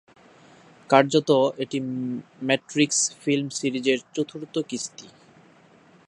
কার্যত এটি Matrix film সিরিজের চতুর্থ কিস্তি।